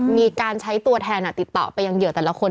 มีการใช้ตัวแทนติดต่อไปยังเหยื่อแต่ละคน